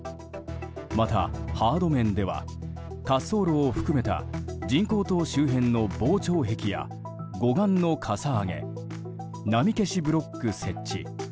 また、ハード面では滑走路を含めた人工島周辺の防潮壁や護岸のかさ上げ波消しブロック設置。